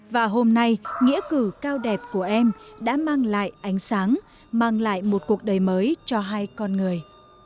và hôm nay nghĩa cử cao đẹp của em đã mang lại ánh sáng mang lại một cuộc đời mới cho hai con người